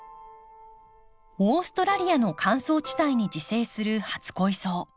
オーストラリアの乾燥地帯に自生する初恋草。